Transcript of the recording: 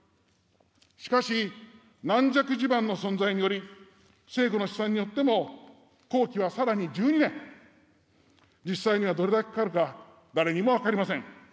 しかし、軟弱地盤の存在により、政府の試算によっても工期はさらに１２年、実際にはどれだけかかるか、誰にも分かりません。